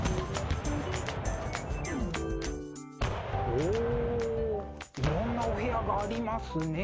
おいろんなお部屋がありますね。